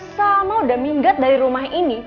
sama udah minggat dari rumah ini